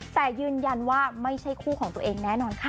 แต่ยืนยันว่าไม่ใช่คู่ของตัวเองแน่นอนค่ะ